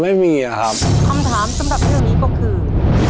คำถามสำหรับเรื่องนี้ก็คือ